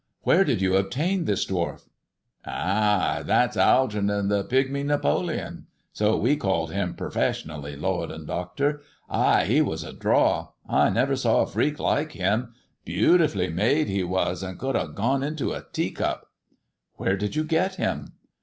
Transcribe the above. Where did you obtain this dwarf?" " Ay ! That's Algeernon, the Pigmy Napoleon ; so we called him perfessionally, lord and doctor. Ay, he was a draw ! I never saw a freak like him. Beautifully made he was, and could 'ave gone into a teacup." " Where did you get him